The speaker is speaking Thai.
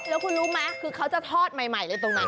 แล้วคุณรู้ไหมคือเขาจะทอดใหม่เลยตรงนั้น